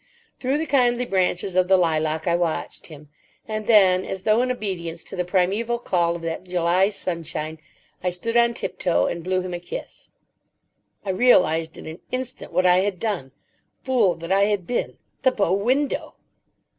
Through the kindly branches of the lilac I watched him, and then, as though in obedience to the primaeval call of that July sunshine, I stood on tiptoe, and blew him a kiss. I realised in an instant what I had done. Fool that I had been. The bow window!